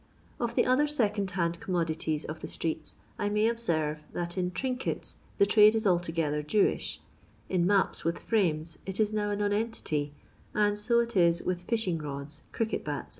Of the other second hand commodities of the streets, I may observe that in l^niett the tnuie is altogether Jewish ; in Maps, with frames, it is now a nonentity, and so it is with Fishing rodt, Crichet'ha4», Ac.